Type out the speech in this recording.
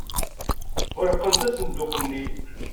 Ɣelqent asenduq-nni.